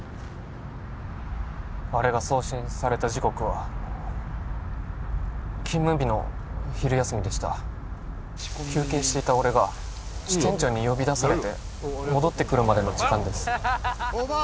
あれが送信された時刻は勤務日の昼休みでした休憩していた俺が支店長に呼び出されて戻ってくるまでの時間です大庭